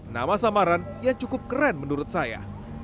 nama samaran yang cukup keren menurut saya